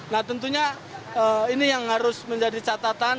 nah tentunya ini yang harus menjadi catatan